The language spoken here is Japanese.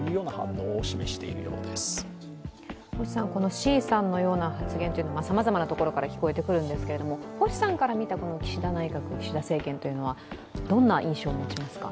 志位さんのような発言はさまざまなところから聞こえてくるんですけど星さんから見た、岸田内閣岸田政権というのはどんな印象を持ちますか？